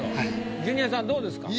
ジュニアさんどうですか？